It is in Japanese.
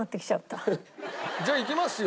じゃあいきますよ。